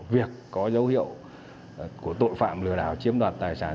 việc có dấu hiệu của tội phạm lừa đảo chiếm đoạt tài sản